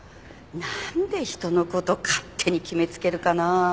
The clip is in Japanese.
なんで人の事勝手に決めつけるかな。